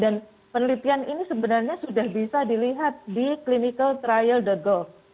dan penelitian ini sebenarnya sudah bisa dilihat di clinicaltrial gov